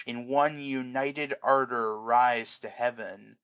In one united ardour rise to heaven.